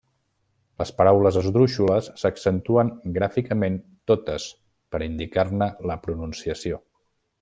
Les paraules esdrúixoles s'accentuen gràficament totes per indicar-ne la pronunciació.